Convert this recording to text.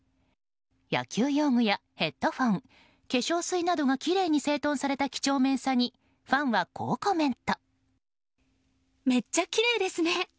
野球用具やヘッドホン化粧水などがきれいに整頓された几帳面さにファンは、こうコメント。